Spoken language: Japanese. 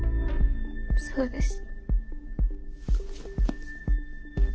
そうです。